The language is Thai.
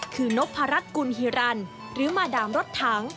คือนพรัชกุลฮิรันหรือมาดามรถถัง